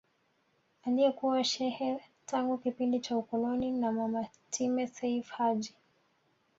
Aliyekuwa shekhe tangu kipindi cha ukoloni na mama Time Seif Haji